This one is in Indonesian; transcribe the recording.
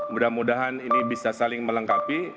mudah mudahan ini bisa saling melengkapi